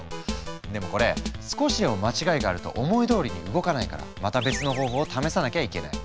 でもこれ少しでも間違いがあると思いどおりに動かないからまた別の方法を試さなきゃいけない。